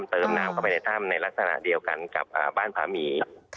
เติมน้ำเข้าไปในถ้ำในลักษณะเดียวกันกับบ้านผาหมี